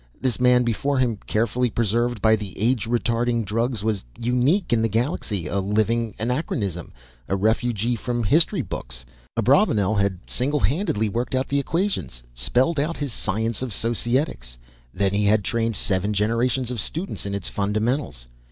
This man before him, carefully preserved by the age retarding drugs, was unique in the galaxy. A living anachronism, a refugee from the history books. Abravanel had singlehandedly worked out the equations, spelled out his science of Societics. Then he had trained seven generations of students in its fundamentals.